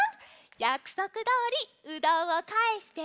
やくそくどおりうどんをかえして！